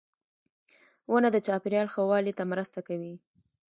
• ونه د چاپېریال ښه والي ته مرسته کوي.